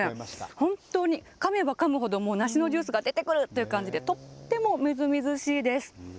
本当にかめばかむほど梨のジュースが出てくるという感じでとっても、みずみずしいです。